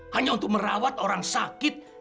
hanya untuk merawat orang sakit